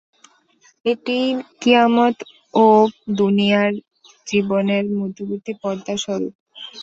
এটি কিয়ামত ও দুনিয়ার জীবনের মধ্যবর্তী পর্দা স্বরুপ।